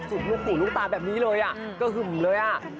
สุกลูกขู่ลูกตาแบบนี้เลยอ่ะก็หึ่มเลยอ่ะ